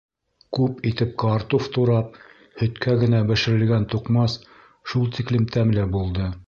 Күп итеп картуф турап, һөткә генә бешерелгән туҡмас шул тиклем тәмле булды.